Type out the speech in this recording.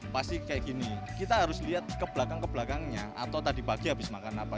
pasti kayak gini kita harus lihat kebelakang kebelakangnya atau tadi pagi habis makan apa